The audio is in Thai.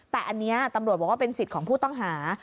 แต่อันนี้ตำรวจบอกว่าเป็นสิทธิ์ของผู้ต้องหา